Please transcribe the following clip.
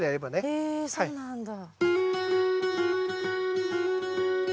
へえそうなんだ。